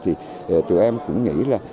thì tụi em cũng nghĩ là